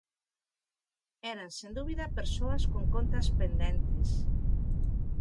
Eran, sen dúbida, persoas con contas pendentes.